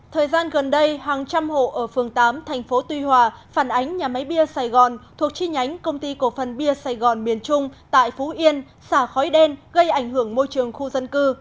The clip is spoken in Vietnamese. thời gian gần đây hàng trăm hộ ở phường tám thành phố tuy hòa phản ánh nhà máy bia sài gòn thuộc chi nhánh công ty cổ phần bia sài gòn miền trung tại phú yên xả khói đen gây ảnh hưởng môi trường khu dân cư